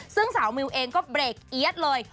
ซึ่งสาวมิวเองก็เบรกเอี๊ยดเลย